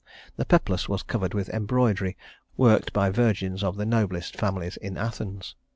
The Peplus was covered with embroidery worked by virgins of the noblest families in Athens.